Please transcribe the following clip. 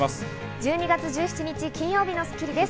１２月１７日、金曜日の『スッキリ』です。